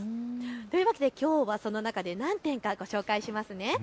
というわけで、その中で何点かご紹介しますね。